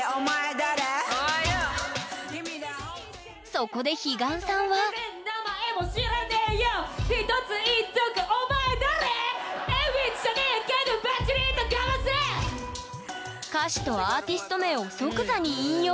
そこで彼岸さんは歌詞とアーティスト名を即座に引用。